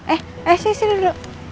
eh eh sini sini duduk